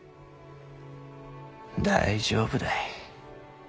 大丈夫だい。